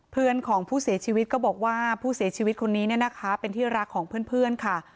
เพื่อนของผู้เสียชีวิตก็บอกว่าผู้เสียชีวิตคนนี้เนี่ยนะคะเป็นที่รักของเพื่อนค่ะ